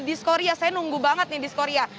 dari dis korea saya nunggu banget nih dis korea